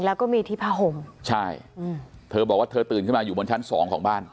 แล้วก็มีที่ผ้าห่มใช่อืมเธอบอกว่าเธอตื่นขึ้นมาอยู่บนชั้นสองของบ้าน